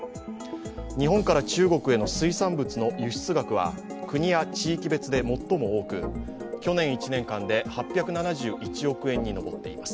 日本から中国への水産物の輸出額は国や地域別で最も多く、去年１年間で８７１億円に上っています。